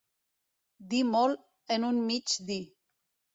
Dir molt en un mig dir.